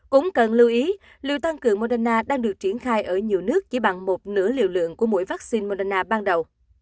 cũng cần lưu ý liệu tăng cường moderna đang được triển khai ở nhiều nước chỉ bằng một nửa liều lượng của mỗi vaccine moderna ban đầu